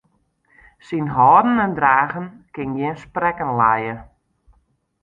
Syn hâlden en dragen kin gjin sprekken lije.